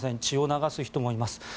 血を流す人もいます。